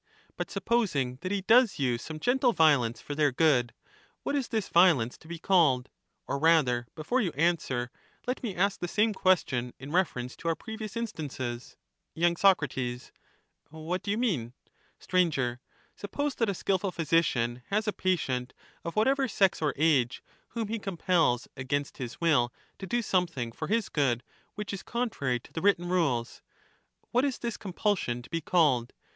But supposing that he does use some violence, gentle violence for their good, what is this violence to be harm? called ? Or rather, before you answer, let me ask the same question in reference to our previous instances. Y. Sac. What do you mean ? Sir. Suppose that a skilful physician has a patient, of A phy whatever sex or age, whom he compels against his will to ^^^ijl^ed do something for his good which is contrary to the written for curing rules ; what is this compulsion to be called